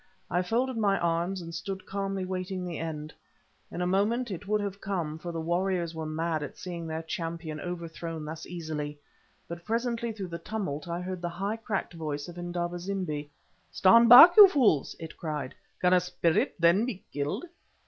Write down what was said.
I folded my arms and stood calmly waiting the end. In a moment it would have come, for the warriors were mad at seeing their champion overthrown thus easily. But presently through the tumult I heard the high, cracked voice of Indaba zimbi. "Stand back, you fools!" it cried; "can a spirit then be killed?"